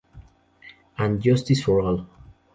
And Justice for All.